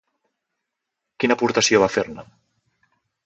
Quina aportació va fer-ne?